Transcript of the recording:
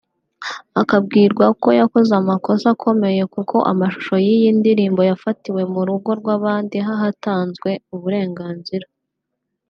akabwirwa ko yakoze amakosa akomeye kuko amashusho y’iyi ndirimbo yafatiwe mu rugo rw’abandi hatatanzwe uburenganzira